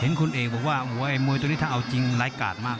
เห็นคุณเอกบอกว่ามวยตัวนี้ถ้าเอาจริงไร้กาดมาก